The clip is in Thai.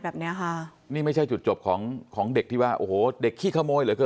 แบบเนี้ยค่ะนี่ไม่ใช่จุดจบของของเด็กที่ว่าโอ้โหเด็กขี้ขโมยเหลือเกิน